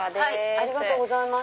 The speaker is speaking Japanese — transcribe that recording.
ありがとうございます。